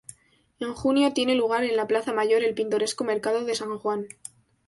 En junio tiene lugar en la plaza mayor el pintoresco mercado de San Juan.